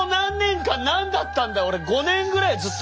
俺５年ぐらいずっと。